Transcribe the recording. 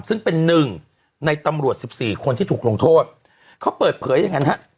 ซึ่งเป็นหนึ่งในตำรวจสิบสี่คนที่ถูกลงโทษเขาเปิดเผยอย่างนั้นฮะ